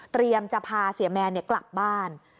เตรียมจะพาเสียแมนกลับบ้าน